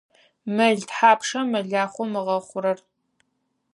Мэл тхьапша мэлахъом ыгъэхъурэр?